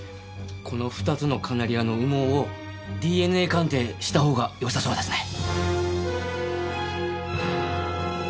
この２つのカナリアの羽毛をＤＮＡ鑑定したほうがよさそうですね。